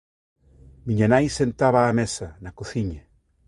Miña nai sentaba á mesa, na cociña.